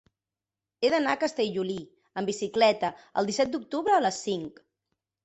He d'anar a Castellolí amb bicicleta el disset d'octubre a les cinc.